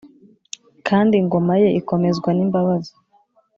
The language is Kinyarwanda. kandi ingoma ye ikomezwa n’imbabazi